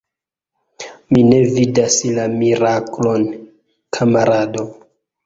Mi ne vidas la miraklon, kamarado.